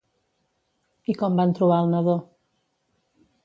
I com van trobar al nadó?